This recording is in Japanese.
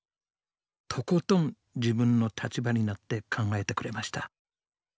とことん自分の立場になって考えてくれました。